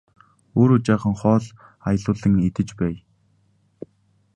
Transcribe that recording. Өөрөө жаахан хоол аялуулан идэж байя!